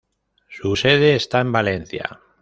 Su sede está en Valencia.